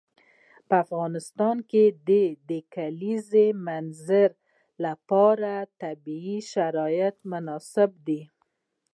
په افغانستان کې د د کلیزو منظره لپاره طبیعي شرایط مناسب دي.